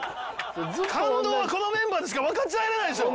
感動はこのメンバーでしか分かち合えないでしょう！